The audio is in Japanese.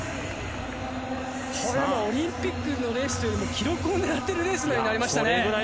オリンピックのレースというよりも記録を狙っているレースのようになりましたね。